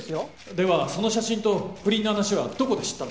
⁉ではその写真と不倫の話はどこで知ったんですか？